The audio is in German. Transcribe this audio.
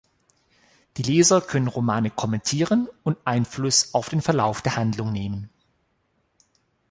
Die Leser können Romane kommentieren und Einfluss auf den Verlauf der Handlung nehmen.